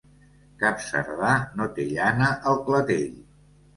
Cap cerdà no té llana al clatell.